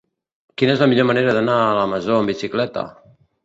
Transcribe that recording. Quina és la millor manera d'anar a la Masó amb bicicleta?